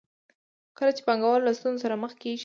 کله چې پانګوال له ستونزو سره مخ کېږي